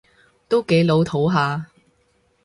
都幾老套吓